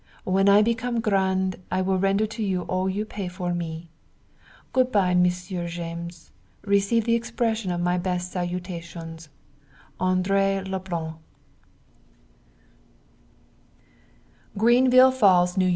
When I become grand I will render to you all you pay for me. Goodbye monsieur James. Receive the expression of my best salutations, Andree Leblanc. Greenville Falls, N.Y.